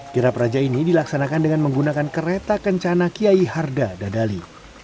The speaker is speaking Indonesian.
kirap raja ini dilaksanakan dengan menggunakan kereta kencana kiai harda dadali